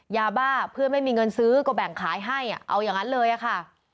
ยาบ้าเพื่อนไม่มีเงินซื้อก็แบ่งขายให้เอาอย่างนั้นเลยอะค่ะ